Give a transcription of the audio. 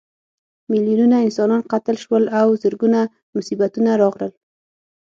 میلیونونه انسانان قتل شول او زرګونه مصیبتونه راغلل.